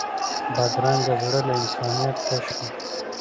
بدرنګه زړه له انسانیت تش وي